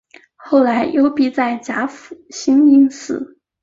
后来幽闭在甲府兴因寺。